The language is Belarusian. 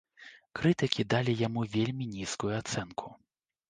Крытыкі далі яму вельмі нізкую ацэнку.